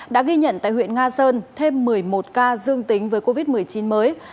đã ghi nhận tại huyện nga sơn thêm một mươi một ca dương tính với covid một mươi chín mới